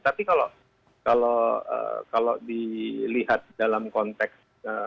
tapi kalau dilihat dalam konteks